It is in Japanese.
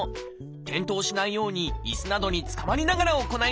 転倒しないようにいすなどにつかまりながら行いましょう。